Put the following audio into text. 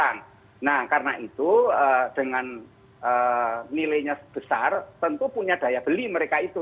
nah karena itu dengan nilainya besar tentu punya daya beli mereka itu